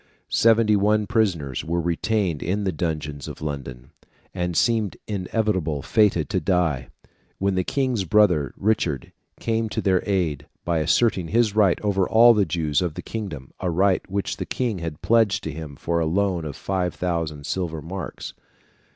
Seventy one prisoners were retained in the dungeons of London, and seemed inevitably fated to die, when the king's brother, Richard, came to their aid, by asserting his right over all the Jews of the kingdom a right which the King had pledged to him for a loan of 5,000 silver marks.